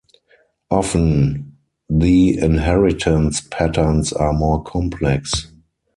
Often, the inheritance patterns are more complex.